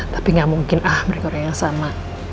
tapi gak mungkin ah mereka orang yang sama